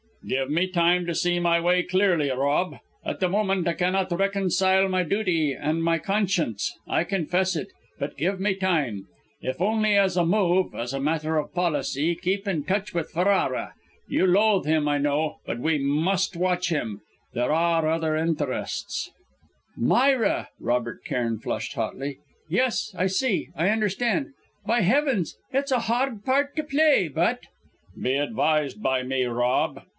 "Give me time to see my way clearly, Rob. At the moment I cannot reconcile my duty and my conscience; I confess it. But give me time. If only as a move as a matter of policy keep in touch with Ferrara. You loathe him, I know; but we must watch him! There are other interests " "Myra!" Robert Cairn flushed hotly. "Yes, I see. I understand. By heavens, it's a hard part to play, but " "Be advised by me, Rob.